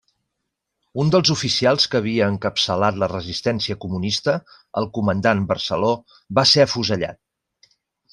Un dels oficials que havia encapçalat la resistència comunista, el comandant Barceló, va ser afusellat.